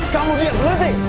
kamu biar berhenti